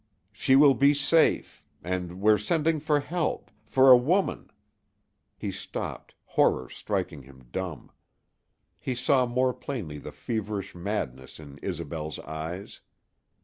"She will be safe. And we're sending for help for a woman " He stopped, horror striking him dumb. He saw more plainly the feverish madness in Isobel's eyes.